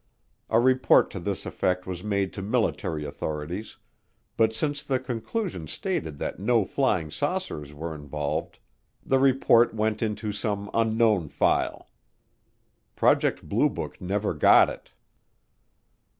A report to this effect was made to military authorities, but since the conclusion stated that no flying saucers were involved, the report went into some unknown file. Project Blue Book never got it.